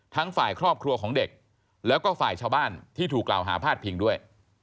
ฝ่ายครอบครัวของเด็กแล้วก็ฝ่ายชาวบ้านที่ถูกกล่าวหาพาดพิงด้วย